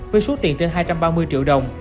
với số tiền trên hai trăm ba mươi triệu đồng